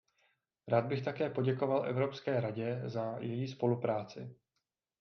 Rád bych také poděkoval Evropské radě za její spolupráci.